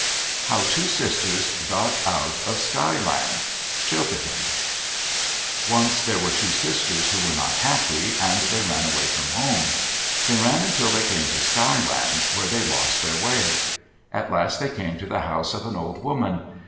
HOW TWO SISTERS GOT OUT OF SKY LAND Chilcotin Once there were two sisters who were not happy, and they ran away from home. They ran until they came to Sky Land, where they lost their way. At last they came to the house of an old woman.